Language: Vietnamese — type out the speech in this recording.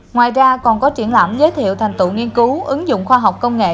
ngoài ra còn có triển lãm giới thiệu thành tựu nghiên cứu ứng dụng khoa học công nghệ